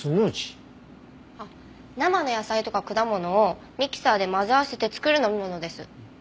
あっ生の野菜とか果物をミキサーで混ぜ合わせて作る飲み物です。